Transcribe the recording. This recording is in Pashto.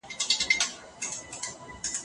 هر ځای چې ګروئ، د خارښ احساس زیاتېږي.